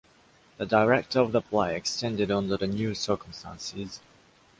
The director of the play extended under the new circumstances.